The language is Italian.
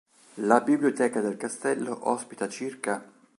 La biblioteca del castello ospita ca.